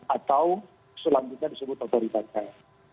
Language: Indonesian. atau selanjutnya disebut otorita ikn